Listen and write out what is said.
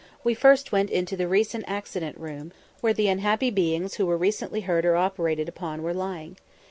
We first went into the recent accident room, where the unhappy beings who were recently hurt or operated upon were lying.